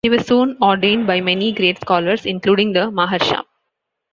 He was soon ordained by many great scholars, including the Maharsham.